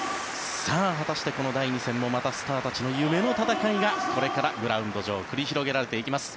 果たして、この第２戦もまたスターたちの夢の戦いがこれからグラウンド上繰り広げられていきます。